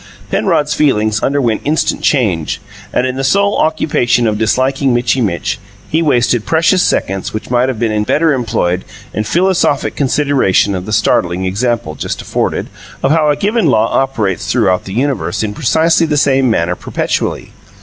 Penrod's feelings underwent instant change, and in the sole occupation of disliking Mitchy Mitch, he wasted precious seconds which might have been better employed in philosophic consideration of the startling example, just afforded, of how a given law operates throughout the universe in precisely the same manner perpetually.